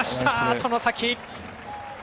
外崎。